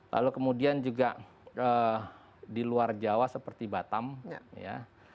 lalu kemudian juga di luar jawa seperti batamu